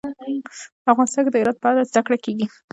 افغانستان کې د هرات په اړه زده کړه کېږي.